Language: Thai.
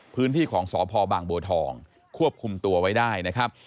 พื้นที่ของสพบางบัวทองควบคุมตัวไว้ได้นะครับ